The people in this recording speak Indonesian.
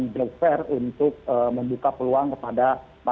transfer untuk membuka peluang kepada